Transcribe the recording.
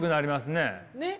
ねっ。